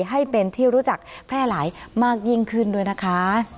ให้เป็นที่รู้จักแพร่หลายมากยิ่งขึ้นด้วยนะคะ